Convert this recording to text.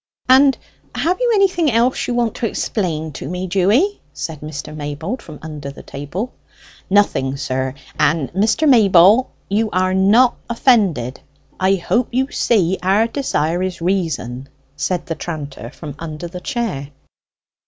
"And have you anything else you want to explain to me, Dewy?" said Mr. Maybold from under the table. "Nothing, sir. And, Mr. Mayble, you be not offended? I hope you see our desire is reason?" said the tranter from under the chair.